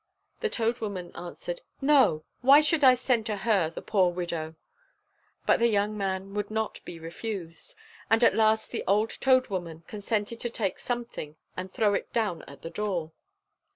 The Toad Woman answered, "No! Why should I send to her, the poor widow!" But the young man would not be refused; and at last the old Toad Woman consented to take something and throw it down at the door.